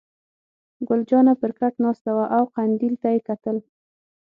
ګل جانه پر کټ ناسته وه او قندیل ته یې کتل.